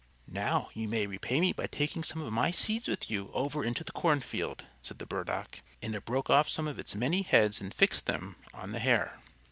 "Now you may repay me by taking some of my seeds with you over into the cornfield," said the Burdock; and it broke off some of its many heads and fixed them on the Hare.